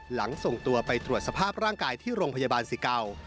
หลังส่งตัวไปตรวจสภาพร่างกายที่โรงพยาบาลสิเก่า